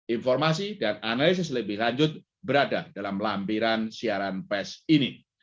informasi dan analisis lebih lanjut berada dalam lampiran siaran pes ini